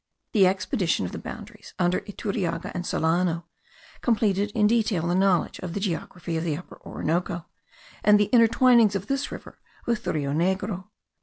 The expedition of the boundaries, under Iturriaga and Solano, completed in detail the knowledge of the geography of the Upper Orinoco, and the intertwinings of this river with the Rio Negro.